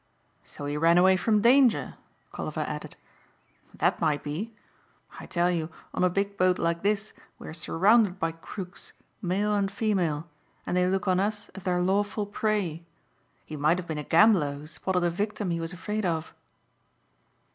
"So he ran away from danger?" Colliver added. "That might be. I tell you on a big boat like this we are surrounded by crooks, male and female, and they look on us as their lawful prey. He might have been a gambler who spotted a victim he was afraid of."